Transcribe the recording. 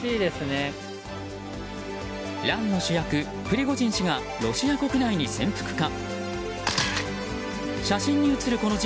乱の主役プリゴジン氏がロシア国内に潜伏か。